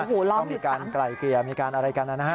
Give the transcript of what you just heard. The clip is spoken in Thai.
ต้องมีการไกล่เกลี่ยมีการอะไรกันนะฮะ